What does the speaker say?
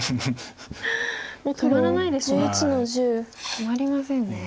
止まりませんね。